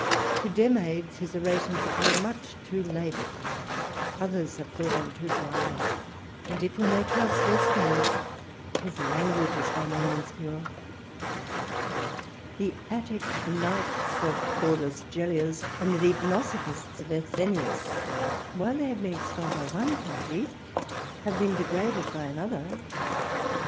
To Demades, his orations appear too much laboured; others have thought him too dry; and, if we may trust Æschines, his language is by no means pure. The Attic Nights of Aulus Gellius, and the Deipnosophists of Athenæus, while they have been extolled by one party, have been degraded by another.